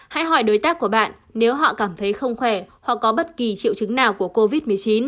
hãy hỏi đối tác của bạn nếu họ cảm thấy không khỏe hoặc có bất kỳ triệu chứng nào của covid một mươi chín